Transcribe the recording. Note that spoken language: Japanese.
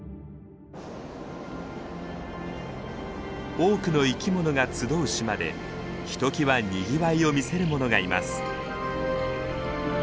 多くの生き物が集う島でひときわにぎわいを見せるものがいます。